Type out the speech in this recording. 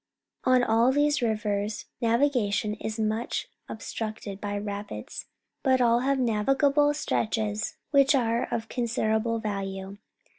On all these rivers navigation is much obstructed by rapids, but all have navigable stretches, which are of considerable value.